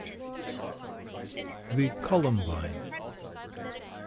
] THE COLUMBINE.